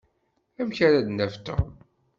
Amek ara d-naf Tom?